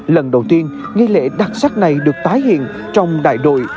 lần đầu tiên nghi lễ đặc sắc này được tái hiện trong đại đội